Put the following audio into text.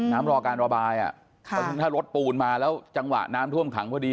รอการระบายถ้ารถปูนมาแล้วจังหวะน้ำท่วมขังพอดี